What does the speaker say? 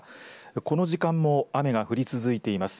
この時間も雨が降り続いています。